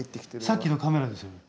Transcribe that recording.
さっきのカメラですよね。